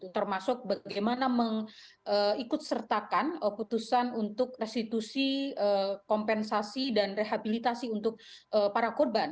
termasuk bagaimana mengikut sertakan putusan untuk restitusi kompensasi dan rehabilitasi untuk para korban